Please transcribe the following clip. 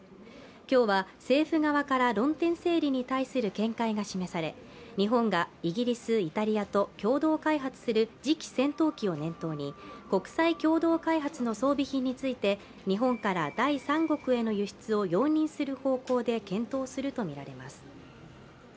今日は政府側から論点整理に対する見解が示され日本が、イギリス・イタリアと共同開発する次期戦闘機を念頭に国際共同開発の装備品について、日本から第三国への輸出を容認する方向で検討するとみられます。